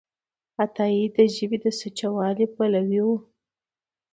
عطایي د ژبې د سوچهوالي پلوی و.